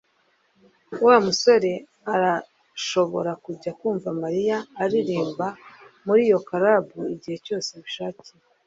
Wa musore arashobora kujya kumva Mariya aririmba muri iyo club igihe cyose abishakiye